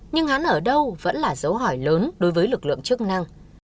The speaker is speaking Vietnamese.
nhưng hắn ở đâu vẫn là dấu hỏi lớn đối với lực lượng